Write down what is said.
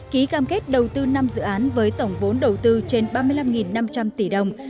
ký cam kết đầu tư năm dự án với tổng vốn đầu tư trên ba mươi năm năm trăm linh tỷ đồng